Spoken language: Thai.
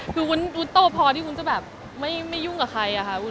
คือวุ้นโตพอที่วุ้นจะแบบไม่ยุ่งกับใครอะค่ะวุ